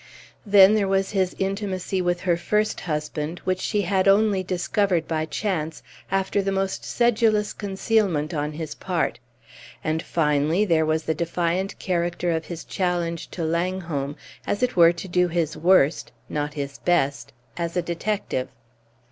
Then there was his intimacy with her first husband, which she had only discovered by chance, after the most sedulous concealment on his part. And, finally, there was the defiant character of his challenge to Langholm, as it were to do his worst (not his best) as a detective.